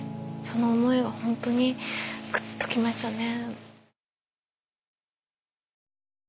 その思いはホントにグッときましたね。